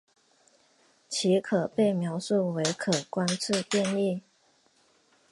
其可被描述为可观测变异。